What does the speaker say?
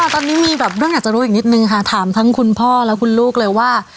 ตอนนี้มีแบบเรื่องอยากจะรู้อีกนิดนึงค่ะถามทั้งคุณพ่อและคุณลูกเลยว่า